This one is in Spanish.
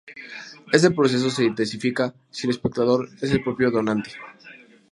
Este proceso se intensifica si el espectador es el propio donante.